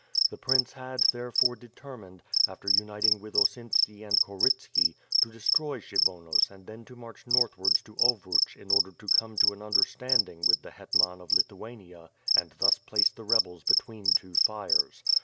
The prince had, therefore, determined, after uniting with Osinski and Korytski, to destroy Kehy vonos and then to march northwards to Ovruch in order to come to an understanding with the hetman of Lithuania and thus place the rebels between two fires.